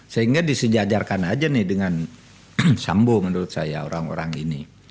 sehingga disejajarkan aja nih dengan sambo menurut saya orang orang ini